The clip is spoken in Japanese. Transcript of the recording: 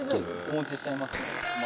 お持ちしちゃいますね。